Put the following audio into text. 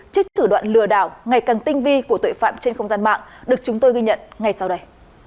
trước thử đoạn lừa đảo ngày càng tinh vi của tội phạm trên không gian mạng được chúng tôi ghi nhận ngay sau đây